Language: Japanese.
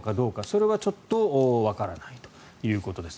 それはちょっとわからないということです。